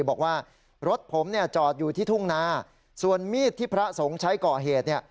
บอกว่ารถผมจอดอยู่ที่ทุ่งนาส่วนมีดที่พระสงค์ใช้เกาะเหตุ